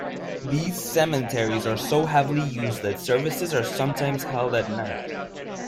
These cemeteries are so heavily used that services are sometimes held at night.